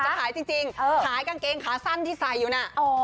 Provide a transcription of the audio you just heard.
ขายจริงขายกางเกงขาสั้นที่ใส่อยู่น่ะ